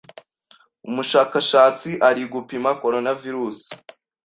Umushakashatsi ari gupima coronavirus